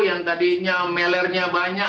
yang tadinya melernya banyak